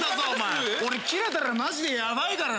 俺キレたらマジでヤバいからな。